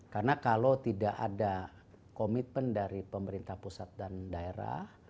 karena kalau tidak ada commitment dari pemerintah pusat dan daerah